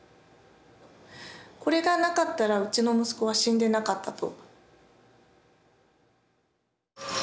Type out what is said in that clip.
これがなかったらうちの息子は死んでなかったと。